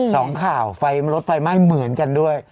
สองข่าวไฟรถไฟไหม้เหมือนกันด้วย